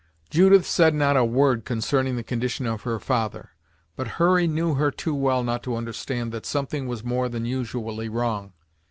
Judith said not a word concerning the condition of her father, but Hurry knew her too well not to understand that something was more than usually wrong.